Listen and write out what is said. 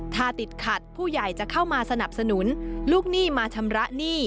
ถ้าติดขัดผู้ใหญ่จะเข้ามาสนับสนุนลูกหนี้มาชำระหนี้